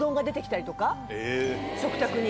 食卓に。